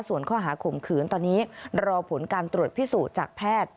ส่วนข้อหาข่มขืนตอนนี้รอผลการตรวจพิสูจน์จากแพทย์